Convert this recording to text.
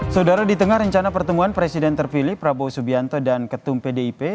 saudara di tengah rencana pertemuan presiden terpilih prabowo subianto dan ketum pdip